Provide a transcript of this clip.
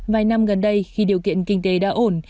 vài năm gần đây khi điều kiện kinh tế đã ổn